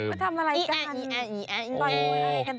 มาทำอะไรกัน